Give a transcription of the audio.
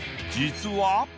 実は］